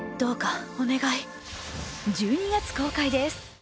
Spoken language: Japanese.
１２月公開です。